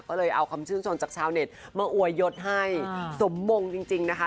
ก็เลยเอาคำชื่นชมจากชาวเน็ตมาอวยยศให้สมมงจริงนะคะ